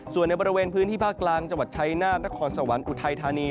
ส่วนในบริเวณพื้นที่ภาคกลางจังหวัดชัยนาธนครสวรรค์อุทัยธานี